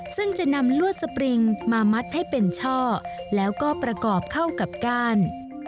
ซึ่งจะนำลวดสปริงมามัดให้เป็นช่อแล้วก็ประกอบเข้ากับก้าน